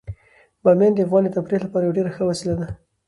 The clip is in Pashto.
بامیان د افغانانو د تفریح لپاره یوه ډیره ښه وسیله ده.